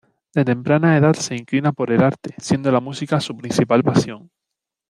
De temprana edad se inclina por el arte, siendo la música su principal pasión.